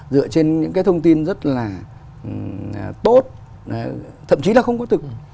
dựa trên những cái thông tin rất là tốt thậm chí là không có thực